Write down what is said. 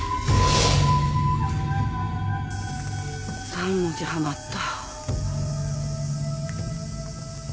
３文字はまった。